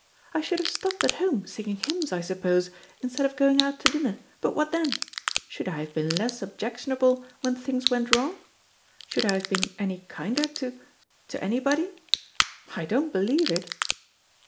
I should have stopped at home singing hymns, I suppose, instead of going out to dinner; but what then? Should I have been less objectionable when things went wrong? Should I have been any kinder to to anybody? I don't believe it."